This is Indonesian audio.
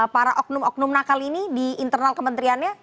para oknum oknum nakal ini di internal kementeriannya